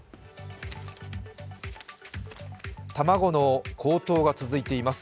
卵の高騰が続いています。